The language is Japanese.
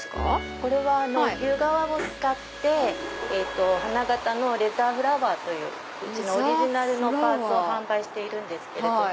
これは牛革を使って花形のレザーフラワーといううちのオリジナルのパーツを販売しているんですけれども。